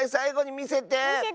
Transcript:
みせて。